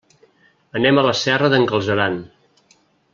Anem a la Serra d'en Galceran.